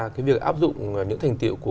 cái việc áp dụng những thành tiệu của